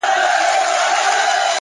د کوټې خاموشي د فکر غږ لوړوي!.